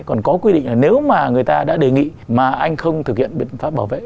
còn có quy định là nếu mà người ta đã đề nghị mà anh không thực hiện biện pháp bảo vệ